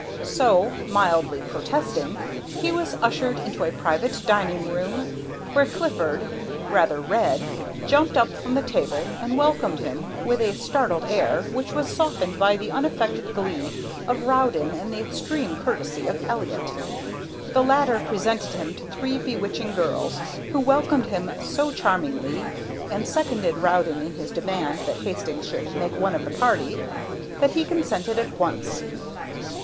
So, mildly protesting, he was ushered into a private dining room where Clifford, rather red, jumped up from the table and welcomed him with a startled air which was softened by the unaffected glee of Rowden and the extreme courtesy of Elliott. The latter presented him to three bewitching girls who welcomed him so charmingly and seconded Rowden in his demand that Hastings should make one of the party, that he consented at once.